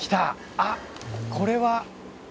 あっこれは。